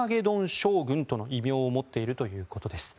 将軍との異名を持っているということです。